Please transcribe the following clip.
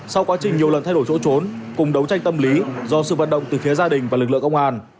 sau quá trình nhiều lần thay đổi chỗ trốn cùng đấu tranh tâm lý do sự vận động từ phía gia đình và lực lượng công an